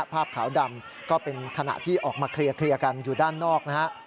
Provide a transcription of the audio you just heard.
ภาพขาวดำก็เป็นขณะที่ออกมาเคลียร์กันอยู่ด้านนอกนะฮะ